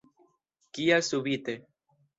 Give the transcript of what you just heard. Kial subite.